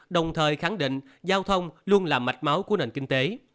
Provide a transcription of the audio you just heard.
đồng thời khẳng định giao thông luôn là mạch máu của nền kinh tế